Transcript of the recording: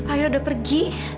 ayah udah pergi